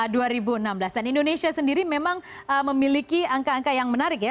dan indonesia sendiri memang memiliki angka angka yang menarik ya